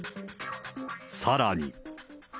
さらに。